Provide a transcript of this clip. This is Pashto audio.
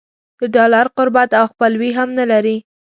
د ډالر قربت او خپلوي هم نه لري.